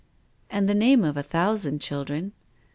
"And the name of a thousand children."